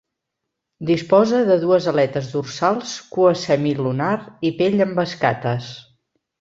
Disposa de dues aletes dorsals cua semilunar i pell amb escates.